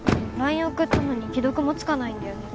ＬＩＮＥ送ったのに既読もつかないんだよね